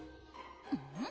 ・うん？